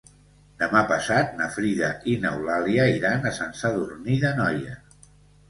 Demà passat na Frida i n'Eulàlia iran a Sant Sadurní d'Anoia.